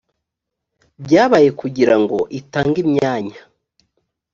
byabaye kugira ngo itange imyanya